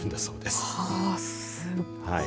すごい。